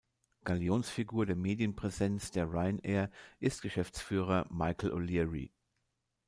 Galionsfigur der Medienpräsenz der Ryanair ist Geschäftsführer Michael O’Leary.